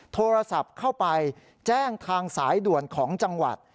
โทรศัพท์เข้าไปแจ้งทางสายด่วนของจังหวัด